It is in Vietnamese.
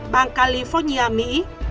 bang california mỹ